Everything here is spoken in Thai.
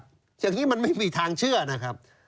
พี่สาวบอกว่าเขาไม่ค่อยมีทางเชื่อนะครับ